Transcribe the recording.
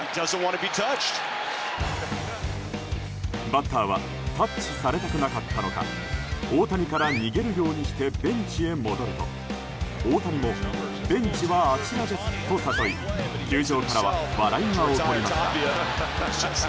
バッターはタッチされたくなかったのか大谷から逃げるようにしてベンチへ戻ると大谷もベンチはあちらですと誘い球場からは笑いが起こりました。